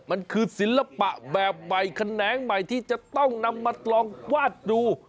มันคือศิลปะแบบใหม่แขนงใหม่ที่จะต้องนำมาลองวาดดู